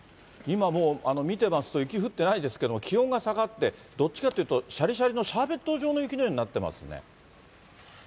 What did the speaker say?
今もう、見てますと雪降ってないですけど、気温が下がって、どっちかというと、しゃりしゃりのシャーベット状の雪のようになってますね。